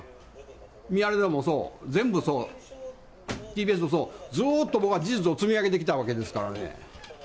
ミヤネ屋さんもそう、全部そう、ＴＢＳもそう、ずっと僕は事実を積み上げてきたわけですからね。